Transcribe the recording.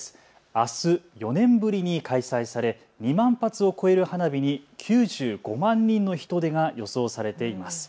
あす４年ぶりに開催され２万発を超える花火に９５万人の人出が予想されています。